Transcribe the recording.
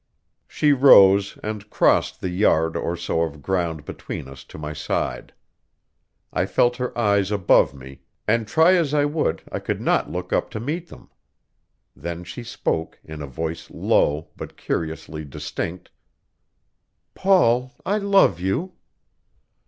She rose and crossed the yard or so of ground between us to my side. I felt her eyes above me, and try as I would I could not look up to meet them. Then she spoke, in a voice low but curiously distinct: "Paul, I love you."